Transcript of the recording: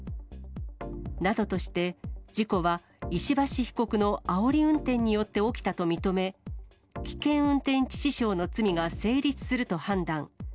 などとして、事故は石橋被告のあおり運転によって起きたと認め、危険運転致死傷の罪が成立すると判断。